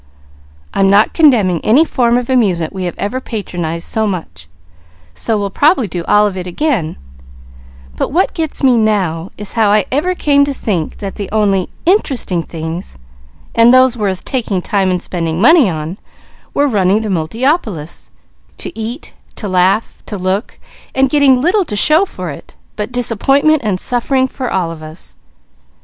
I'm not condemning any form of amusement we ever patronized so much, we'll probably do all of it again; but what gets me now, is how I ever came to think that the only interesting things and those worth taking time and spending money on, were running to Multiopolis, to eat, to laugh, to look, and getting little to show for it but disappointment and suffering for all of us.